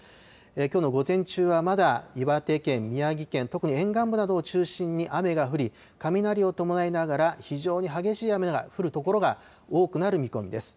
きょうの午前中はまだ岩手県、宮城県、特に沿岸部などを中心に雨が降り、雷を伴いながら、非常に激しい雨が降る所が多くなる見込みです。